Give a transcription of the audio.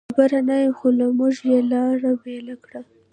خبر نه یم، خو له موږه یې لار بېله کړه.